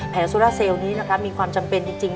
โซราเซลล์นี้นะครับมีความจำเป็นจริง